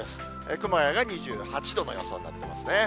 熊谷が２８度の予想になってますね。